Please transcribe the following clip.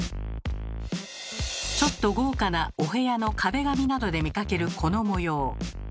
ちょっと豪華なお部屋の壁紙などで見かけるこの模様。